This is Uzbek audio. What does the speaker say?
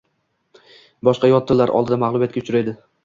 Boshqa yot tillar oldida magʻlubiyatga uchraydi